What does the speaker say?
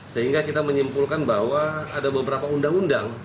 sehingga kita menyimpulkan bahwa ada beberapa undang undang